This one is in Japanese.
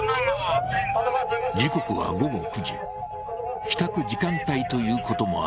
時刻は帰宅時間帯ということもあり